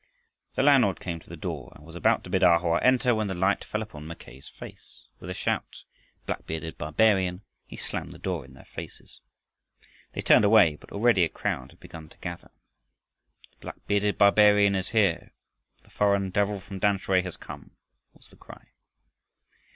The landlord came to the door and was about to bid A Hoa enter, when the light fell upon Mackay's face. With a shout, "Black bearded barbarian!" he slammed the door in their faces. They turned away, but already a crowd had begun to gather. "The black bearded barbarian is here! The foreign devil from Tamsui has come!" was the cry.